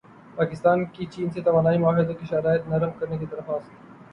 پاکستان کی چین سے توانائی معاہدوں کی شرائط نرم کرنے کی درخواست